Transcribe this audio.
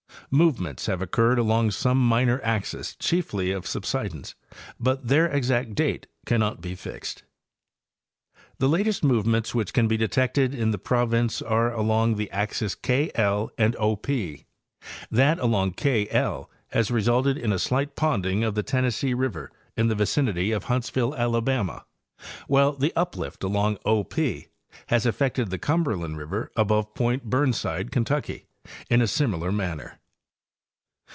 Movements have occurred along some minor axes chiefly of subsidence, but their exact date cannot be fixed. ' The latest movements which can be detected in the province are along the axes K Land OP. That along K L has resulted in a slight ponding of the Tennessee river in the vicinity of Huntsville, Alabama, while the uplift along O P has affected the Cumberland river above point Burnside, Kentucky, in a similar manner.